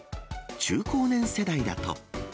中高年世代だと。